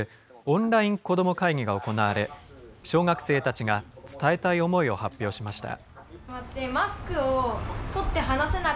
オンラインこどもかいぎが行われ、小学生たちが伝えたい思いを発表しました。